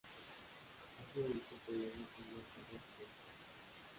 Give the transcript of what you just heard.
Ha sido el grupo coreano con más contratos en China.